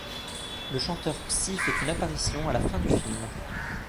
Le chanteur Psy fait une apparition à la fin du film.